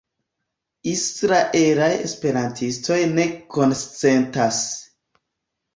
Israelaj esperantistoj ne konsentas.